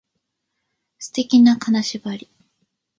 素敵な金縛り